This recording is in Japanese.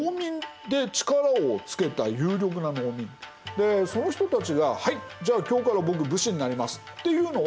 でその人たちが「はい！じゃあ今日から僕武士になります」っていうのは認められないんです。